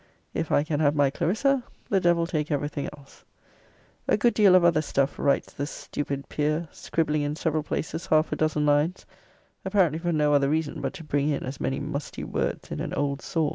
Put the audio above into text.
If I can have my Clarissa, the devil take every thing else. A good deal of other stuff writes the stupid peer; scribbling in several places half a dozen lines, apparently for no other reason but to bring in as many musty words in an old saw.